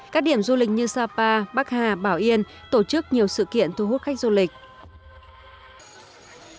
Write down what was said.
các điểm du lịch như sapa bắc hà bảo yên tổ chức nhiều sự kiện thu hút khách du lịch